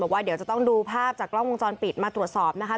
บอกว่าเดี๋ยวจะต้องดูภาพจากกล้องวงจรปิดมาตรวจสอบนะคะ